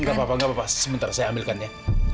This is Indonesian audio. nggak apa apa sementara saya ambilkannya